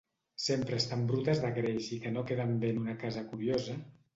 Sempre estan brutes de greix i que no queden bé en una casa curiosa...